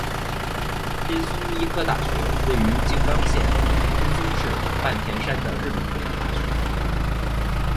滨松医科大学位于静冈县滨松市半田山的日本国立大学。